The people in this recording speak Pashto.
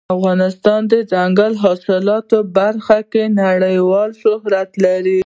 افغانستان د دځنګل حاصلات په برخه کې نړیوال شهرت لري.